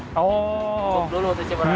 ditumbuk dulu si berasnya